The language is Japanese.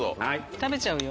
食べちゃうよ。